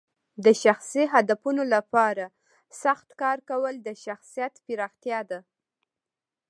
د شخصي هدفونو لپاره سخت کار کول د شخصیت پراختیا ده.